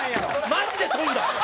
マジで飛んだ！